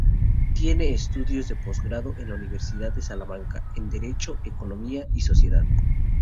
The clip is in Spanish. Tiene estudios de postgrado en la Universidad de Salamanca, en Derecho, Economía y Sociedad.